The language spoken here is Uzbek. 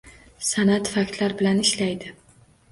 San’at — faktlar bilan ishlaydi.